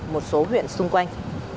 một số huyện xung quanh